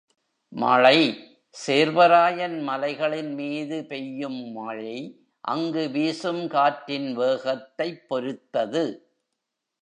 மழை சேர்வராயன் மலைகளின் மீது பெய்யும் மழை அங்கு வீசும் காற்றின் வேகத்தைப் பொருத்தது.